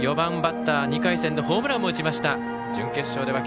石野蓮授、４番バッター２回戦でホームランを打ちました。